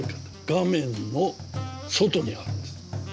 画面の外にあるんです。